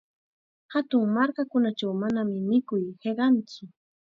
Hatun markakunachaw manam mikuy hiqantsu.